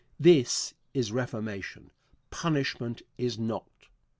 This is reformation. Punishment is not.